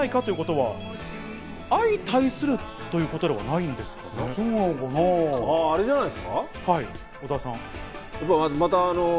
でも、お力をお貸しいただけないかということは、相対するということではないんですかね。